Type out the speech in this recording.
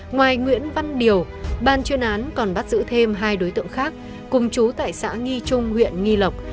ngoài nguyễn văn điều ban chuyên án còn bắt giữ thêm hai đối tượng khác cùng chú tại xã nghi trung huyện nghi lộc